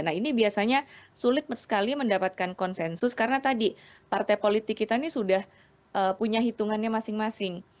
nah ini biasanya sulit sekali mendapatkan konsensus karena tadi partai politik kita ini sudah punya hitungannya masing masing